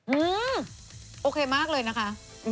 อืมโอเคมากเลยนะคะ